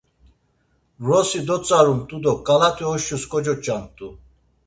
Vrosi dotzarumt̆u do ǩalati oşus kocoç̌amt̆u.